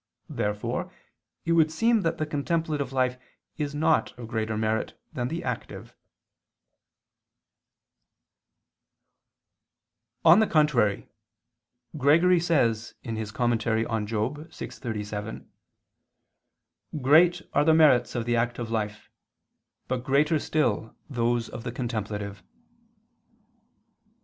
Therefore it would seem that the contemplative life is not of greater merit than the active. On the contrary, Gregory says (Moral. vi, 37): "Great are the merits of the active life, but greater still those of the contemplative."